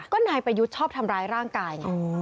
ก็นายประยุทธ์ชอบทำร้ายร่างกายไง